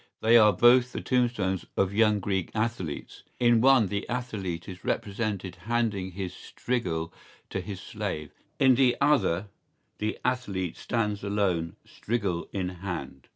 ¬Ý They are both the tombstones of young Greek athletes.¬Ý In one the athlete is represented handing his strigil to his slave, in the other the athlete stands alone, strigil in hand.